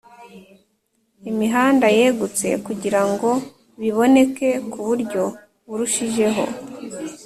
imihanda yegutse kugirango biboneke ku buryo burushijeho.